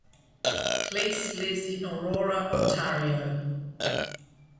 Klees lives in Aurora, Ontario.